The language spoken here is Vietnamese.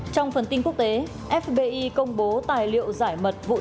trong phần tin quốc tế fbi công bố tài liệu giải mật vụ tấn công